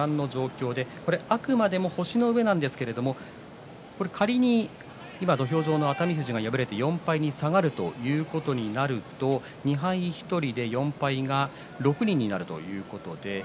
あくまでも星の上ですが仮に土俵上の熱海富士に４敗が下がるということになると２敗１人で４敗が６人になるということです。